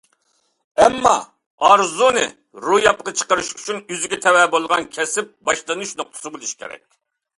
ئەمما ئارزۇنى روياپقا چىقىرىش ئۈچۈن ئۆزىگە تەۋە بولغان كەسىپ باشلىنىش نۇقتىسى بولۇشى كېرەك.